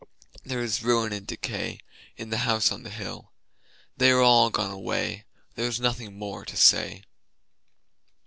There is ruin and decay In the House on the Hill They are all gone away, There is nothing more to say.